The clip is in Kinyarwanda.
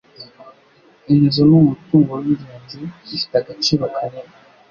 Inzu ni umutungo wingenzi ifite agaciro kanini.